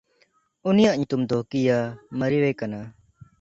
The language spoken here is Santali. ᱩᱱᱤᱭᱟᱜ ᱧᱩᱛᱩᱢ ᱫᱚ ᱠᱤᱭᱟᱼᱢᱟᱨᱤᱣᱮ ᱠᱟᱱᱟ᱾